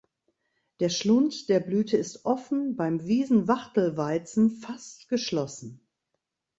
Der Schlund der Blüte ist offen, beim Wiesen-Wachtelweizen fast geschlossen.